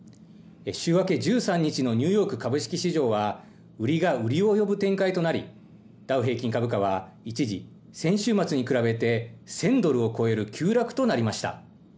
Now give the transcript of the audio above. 週明け１３日のニューヨーク株式市場は、売りが売りを呼ぶ展開となり、ダウ平均株価は一時、先週末に比べて１０００ドルを超える急落となりました。